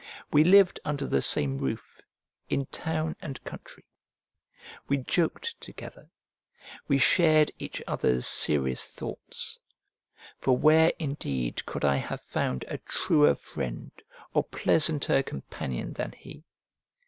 We lived under the same roof, in town and country, we joked together, we shared each other's serious thoughts: for where indeed could I have found a truer friend or pleasanter companion than he?